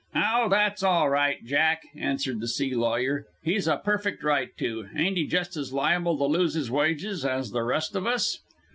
"Oh, that's all right, Jack," answered the sea lawyer. "He's a perfect right to. Ain't he just as liable to lose his wages as the rest of us?"